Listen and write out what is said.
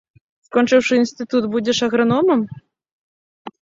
Скончыўшы інстытут, будзеш аграномам?